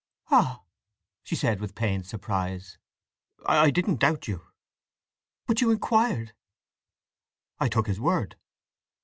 "Ah!" she said with pained surprise. "I didn't doubt you." "But you inquired!" "I took his word."